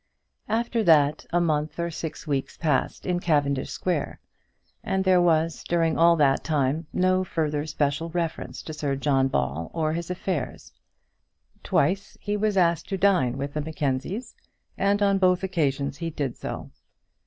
After that a month or six weeks passed in Cavendish Square, and there was, during all that time, no further special reference to Sir John Ball or his affairs. Twice he was asked to dine with the Mackenzies, and on both occasions he did so.